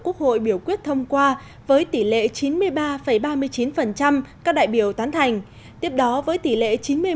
quốc hội biểu quyết thông qua với tỷ lệ chín mươi ba ba mươi chín các đại biểu tán thành tiếp đó với tỷ lệ chín mươi một